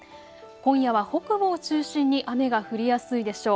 今夜は北部を中心に雨が降りやすいでしょう。